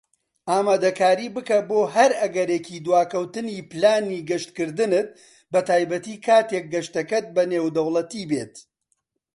ئامادەکاری بکە بۆ هەر ئەگەرێکی دواکەوتنی پلانی گەشتکردنت، بەتایبەتی کاتیک گەشتەکەت بە نێودەوڵەتی بێت.